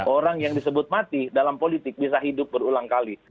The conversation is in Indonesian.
orang yang disebut mati dalam politik bisa hidup berulang kali